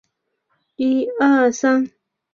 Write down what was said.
裂隐蟹为玉蟹科裂隐蟹属的动物。